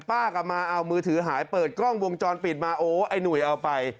กลับมาเอามือถือหายเปิดกล้องวงจรปิดมาโอ้ไอ้หนุ่ยเอาไป